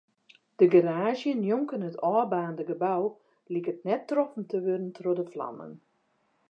De garaazje njonken it ôfbaarnde gebou liket net troffen te wurden troch de flammen.